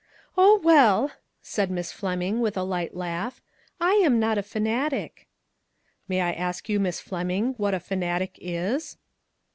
" Oh, well," said Miss Fleming, with a light laugh, " I am not a fanatic." "May I ask you, Miss Fleming, what a fanatic is